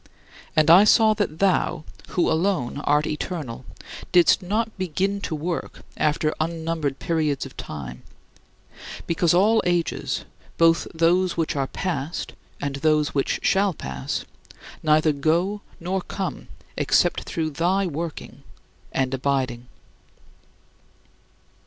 And I saw that thou, who alone art eternal, didst not begin to work after unnumbered periods of time because all ages, both those which are past and those which shall pass, neither go nor come except through thy working and abiding.